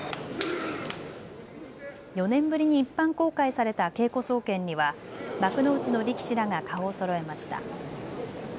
４年ぶりに一般公開された稽古総見には幕内の力士らが顔をそろえました。